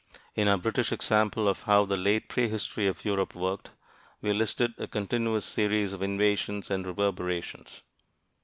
In our British example of how the late prehistory of Europe worked, we listed a continuous series of "invasions" and "reverberations."